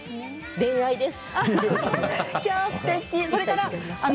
恋愛です。